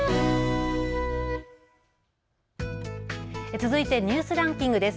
続いてニュースランキングです。